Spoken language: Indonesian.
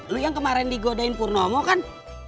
lu yang kemarin digodain purnomo kan